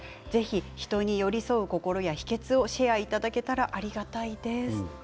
ぜひ人に寄り添う心や秘けつをシェアいただけたらありがたいです。